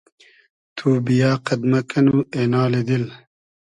تو بییۂ قئد مۂ کئنو اېنالی دیل